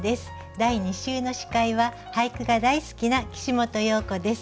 第２週の司会は俳句が大好きな岸本葉子です。